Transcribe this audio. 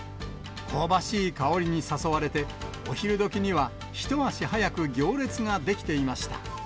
香ばしい香りに誘われて、お昼どきには一足早く行列が出来ていました。